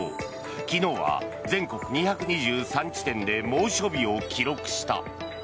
昨日は全国２２３地点で猛暑日を記録した。